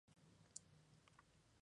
Se publicaba mensualmente.